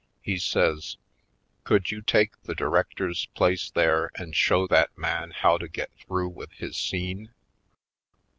He says: "Could you take the director's place there and show that man how to get through with his scene?"